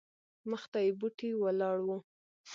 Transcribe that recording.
مخته یې بوټې ولاړ وو.